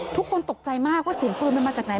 ทุกคนตกใจมากว่าเสียงปืนมันมาจากไหน